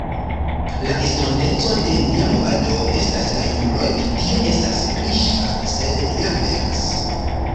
La estonteco de nia movado estas la junuloj, tio estas kliŝa sed ja veras.